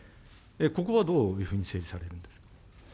ここはどういうふうに整理されるんですか。